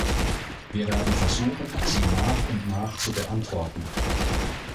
Wir werden versuchen, sie nach und nach zu beantworten.